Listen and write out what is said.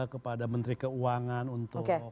kepada menteri keuangan untuk